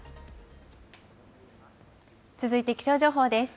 続いて気象情報です。